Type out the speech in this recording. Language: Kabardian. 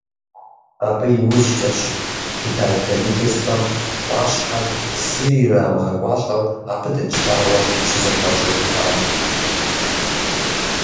Абы иужькӀэщ Китай правительствэм Ӏуащхьэм зыри ирамыгъэкӀуалӀэу, абы дэкӀ лъагъуэр щызэхуащӀыжыпар.